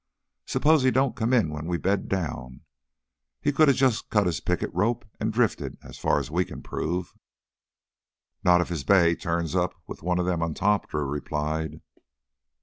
Suppose he don't come in when we bed down; he coulda jus' cut his picket rope an' drifted, as far as we can prove." "Not if his bay turns up with one of them on top," Drew replied.